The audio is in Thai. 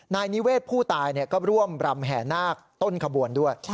นายนิเวศผู้ตายก็ร่วมรำแห่นาคต้นขบวนด้วย